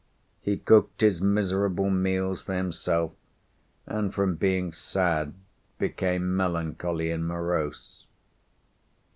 He cooked his miserable meals for himself, and from being sad became melancholy and morose.